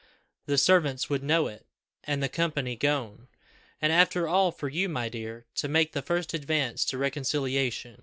the servants would know it and the company gone! And after all, for you, my dear, to make the first advance to reconciliation!